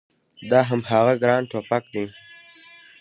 دا هماغه ګران ټوپګ دی